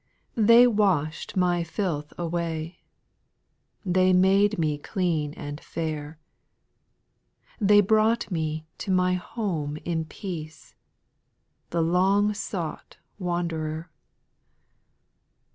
^ 6. They wash'd my filth away, They made me clean and fair ; They brought me to my home in peace, The long sought wanderer.